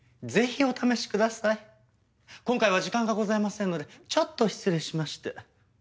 今回は時間がございませんのでちょっと失礼しまして。